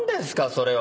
それは。